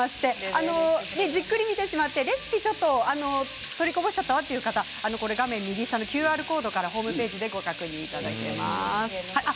じっくり見てしまってレシピを取りこぼしてしまった方はＱＲコードからホームページでご確認いただけます。